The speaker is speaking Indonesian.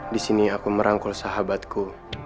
disini aku merangkul sahabatku